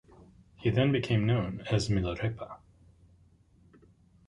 He then became known as Milarepa.